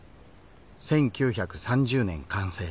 １９３０年完成